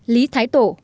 lý thái tổ